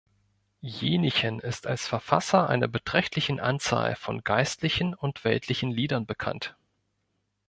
Jänichen ist als Verfasser einer beträchtlichen Anzahl von geistlichen und weltlichen Liedern bekannt.